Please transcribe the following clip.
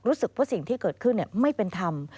รู้สึกว่าสิ่งที่เกิดขึ้นไม่เป็นธรรม